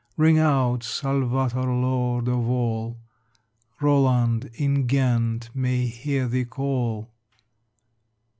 Ring out, "Salvator," lord of all, "Roland" in Ghent may hear thee call!